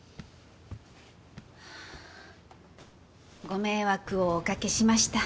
ご迷惑をおかけしました。